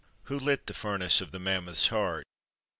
Who lit the furnace of the mammoth's heart?